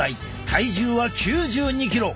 体重は９２キロ。